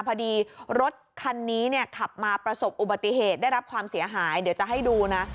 พอดีรถคันนี้เนี่ยขับมาประสบอุบัติเหตุได้รับความเสียหายเดี๋ยวจะให้ดูนะ